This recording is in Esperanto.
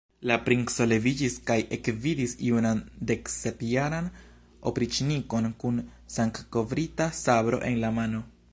La princo leviĝis kaj ekvidis junan deksepjaran opriĉnikon kun sangkovrita sabro en la mano.